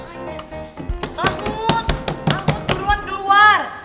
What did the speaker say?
ah mut turuan keluar